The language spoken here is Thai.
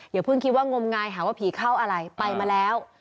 อย่าเพิ่งคิดว่างมงายหาว่าผีเข้าอะไรไปมาแล้ว